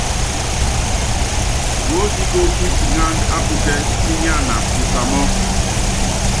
Wuosikóókí iŋánda á putɛ́ sínyáana pusamɔ́.